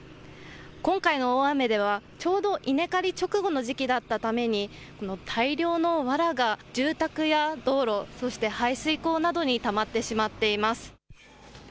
今回の大雨ではちょうど稲刈り直後の時期だったために大量のわらが住宅や道路、そして排水溝などにたまってしまっています。